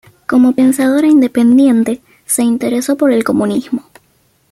Como pensadora independiente, se interesó por el comunismo.